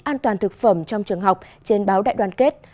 an toàn thực phẩm trong trường học trên báo đại đoàn kết